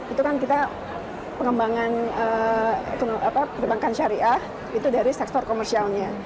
itu kan kita pengembangan perbankan syariah itu dari sektor komersialnya